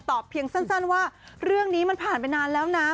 เพียงสั้นว่าเรื่องนี้มันผ่านไปนานแล้วนะ